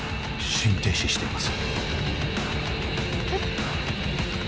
心停止しています！